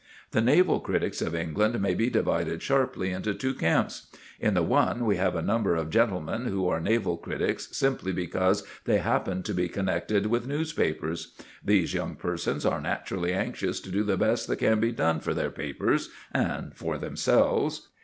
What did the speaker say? The naval critics of England may be divided sharply into two camps. In the one we have a number of gentlemen who are naval critics simply because they happen to be connected with newspapers. These young persons are naturally anxious to do the best that can be done for their papers and for themselves.